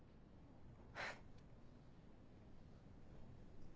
フッ。